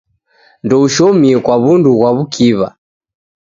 Ndoushomie kwa wundu ghwa w'ukiw'a.